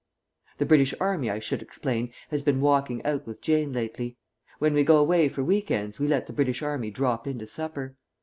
The British Army, I should explain, has been walking out with Jane lately. When we go away for week ends we let the British Army drop in to supper.